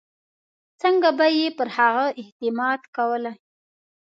څنګه به یې پر هغه اعتماد کولای.